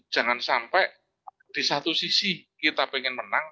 jangan sampai di satu sisi kita ingin menang